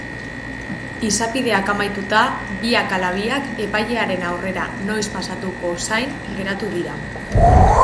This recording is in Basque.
Izapideak amaituta, biak ala biak epailearen aurrera noiz pasatuko zain geratu dira.